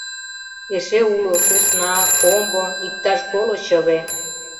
Эше уло сӧсна, комбо, иктаж коло чыве.